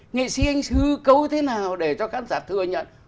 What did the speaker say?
nghệ sĩ anh hư cầu thế nào để cho khán giả thừa nhận